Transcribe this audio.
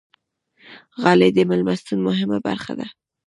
غالۍ د میلمستون مهمه برخه ده.